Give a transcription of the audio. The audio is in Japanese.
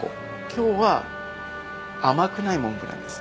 今日は甘くないモンブランです。